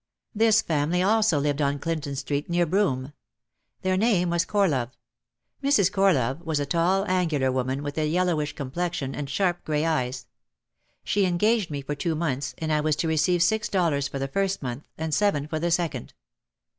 This family also lived on Clinton Street, near Broome. Their name was Corlove. Mrs. Corlove was a tall, an gular woman with a yellowish complexion and sharp grey eyes. She engaged me for two months and I was to receive six dollars for the first month and seven for the second.